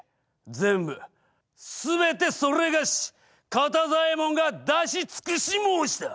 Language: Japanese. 全部すべてそれがし肩座右衛門が出し尽くし申した！